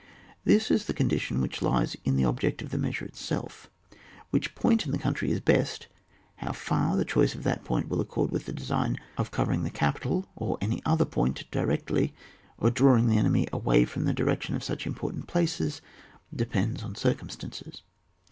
This is the condition which lies in the object of the measure itself. Which point in the country is the best, how far the choice of that point will accord with the design of covering the capital or any other important point directly, or draw ing the enemy away from the direction of such important places depends on cir cumstances.